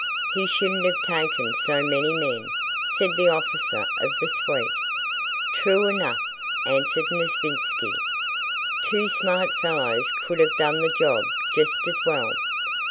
"He shouldn't have taken so many men," said the officer of the suite. "True enough," answered Nesvítski; "two smart fellows could have done the job just as well."